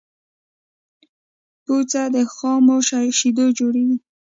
پوڅه د خامو شیدونه جوړیږی.